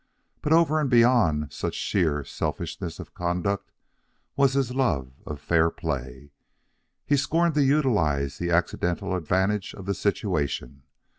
But over and beyond such sheer selfishness of conduct was his love of fair play. He scorned to utilize the accidental advantages of the situation.